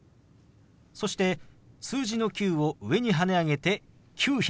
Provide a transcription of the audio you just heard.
そして数字の「９」を上にはね上げて「９００」。